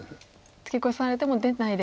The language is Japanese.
ツケコされても出ないで。